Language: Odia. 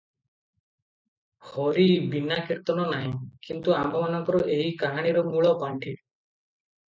'ହରି ବିନା କୀର୍ତ୍ତନ ନାହିଁ ।' କିଣୁ ଆମ୍ଭମାନଙ୍କର ଏହି କାହାଣୀର ମୂଳ ପାଣ୍ଠି ।